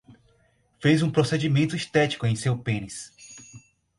Fez um procedimento estético em seu pênis